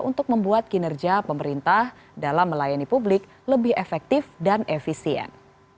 untuk membuat kinerja pemerintah dalam melayani publik lebih efektif dan efisien